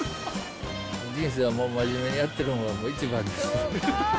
人生はもうまじめにやってるのが一番です。